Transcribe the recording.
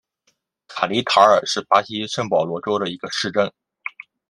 卡尼塔尔是巴西圣保罗州的一个市镇。